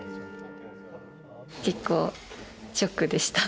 結構ショックでした。